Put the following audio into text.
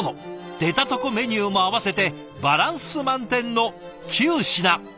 出たとこメニューも合わせてバランス満点の９品。